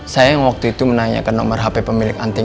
saya yang waktu itu menanyakan nomor hp pemilik anting